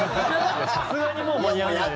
さすがにもう間に合わないでしょ。